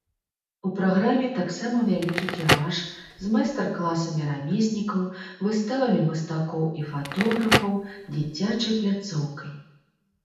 У праграме таксама вялікі кірмаш з майстар-класамі рамеснікаў, выставамі мастакоў і фатографаў, дзіцячай пляцоўкай.